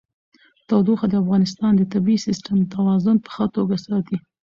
تودوخه د افغانستان د طبعي سیسټم توازن په ښه توګه ساتي.